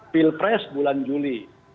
pil press bulan juli